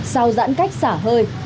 sau giãn cách xả hơi